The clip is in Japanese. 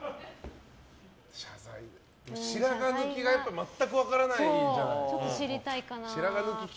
白髪抜きだと全く分からないじゃない。